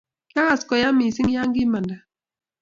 Kiakas ko ya mising ye kimanda